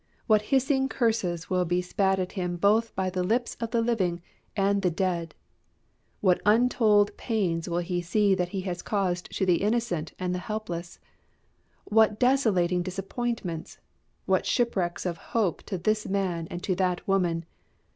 What hissing curses will be spat at him both by the lips of the living and the dead! What untold pains he will see that he has caused to the innocent and the helpless! What desolating disappointments, what shipwrecks of hope to this man and to that woman!